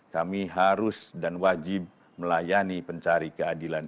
kami harus dan wajib melayani pencari keadilan